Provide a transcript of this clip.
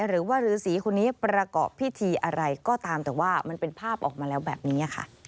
หรือว่าฤษีคนนี้ประกอบพิธีอะไรก็ตามแต่ว่ามันเป็นภาพออกมาแล้วแบบนี้ค่ะ